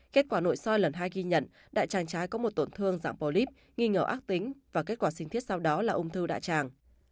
kết quả nội soi lần hai ghi nhận đại tràng trái có một tổn thương dạng polyp nghi ngờ ác tính và kết quả sinh thiết sau đó là ung thư đại tràng